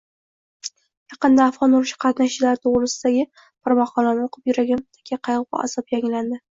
Yaqinda Afgʻon urushi qatnashchilari toʻgʻrisidagi bir maqolani oʻqib, yuragimdagi qaygʻu-iztirob yangilandi.